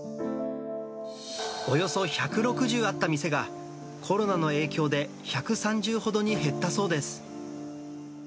およそ１６０あった店が、コロナの影響で１３０ほどに減ったそうです。